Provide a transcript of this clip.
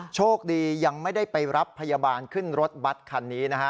โชคดียังไม่ได้ไปรับพยาบาลขึ้นรถบัตรคันนี้นะฮะ